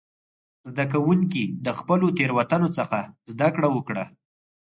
زده کوونکي د خپلو تېروتنو څخه زده کړه وکړه.